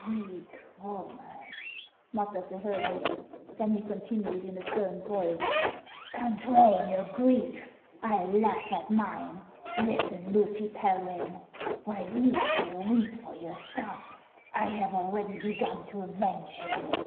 " Weak woman !" muttered the hermit ; then he con tinued in a firm voice: "Control your grief; I laugh at 198 HANS OF ICELAND. mine. Listen, Lucy Pelryhn. While you still weep for your son, I have already begun to avenge him.